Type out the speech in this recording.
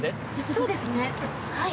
そうですねはい。